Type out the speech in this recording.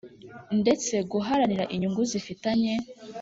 ndetse guharanira inyungu zifitanye